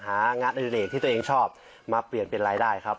หางานอดิเลกที่ตัวเองชอบมาเปลี่ยนเป็นรายได้ครับ